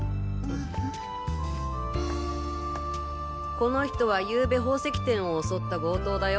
この人は昨晩宝石店を襲った強盗だよ。